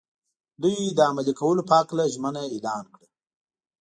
دوی د عملي کولو په هکله ژمنه اعلان کړه.